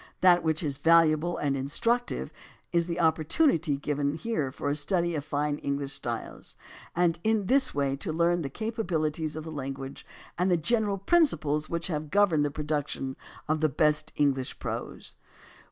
That which is valuable and instructive is the opportunity given here for a study of fine English styles, and in this way to learn the capabilities of the language and the general principles which have gov erned the production of the best English prose.